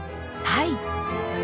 はい。